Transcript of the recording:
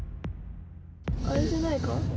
あれじゃないか。